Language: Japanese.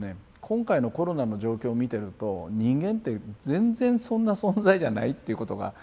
今回のコロナの状況を見てると人間って全然そんな存在じゃないっていうことがはっきりしたわけですよ。